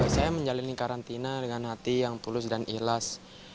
saya menjalani karantina dengan hati yang tulus dan ikhlas